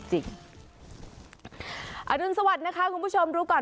รุนสวัสดิ์นะคะคุณผู้ชมรู้ก่อน